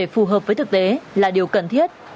phù hợp với thực tế là điều cần thiết